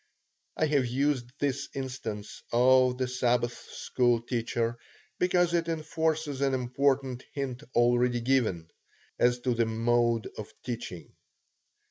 I have used this instance of the Sabbath school teacher because it enforces an important hint already given, as to the mode of teaching.